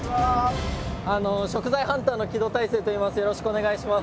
食材ハンターの木戸大聖と言います。